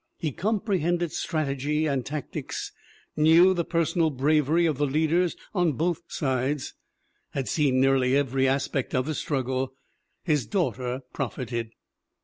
He comprehended strategy and tactics; knew the personal bravery of the leaders on both sides; had seen nearly every as pect of the struggle. His daughter profited.